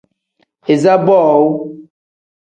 Iza boowu.